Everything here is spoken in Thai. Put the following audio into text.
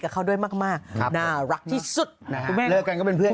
เขาด้วยมากมากครับน่ารักที่สุดนะฮะคุณแม่เลิกกันก็เป็นเพื่อน